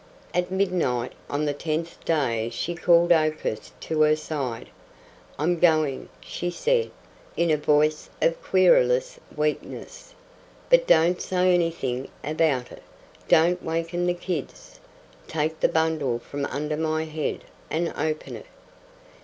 At midnight on the tenth day she called Oakhurst to her side. "I'm going," she said, in a voice of querulous weakness, "but don't say anything about it. Don't waken the kids. Take the bundle from under my head and open it."